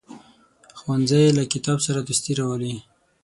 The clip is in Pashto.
ښوونځی له کتاب سره دوستي راولي